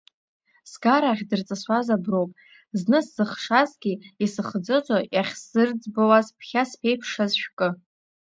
Сгара ахьдырҵысуаз аброуп, зны, сзыхшазгьы, исхӡыӡо, иахьсзырӡбуаз ԥхьа сԥеиԥшаз шәкы…